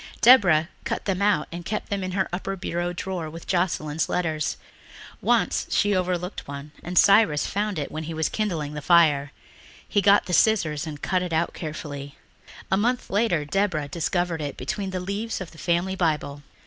Deborah cut them out and kept them in her upper bureau drawer with Joscelyn's letters. Once she overlooked one and Cyrus found it when he was kindling the fire. He got the scissors and cut it out carefully. A month later Deborah discovered it between the leaves of the family Bible.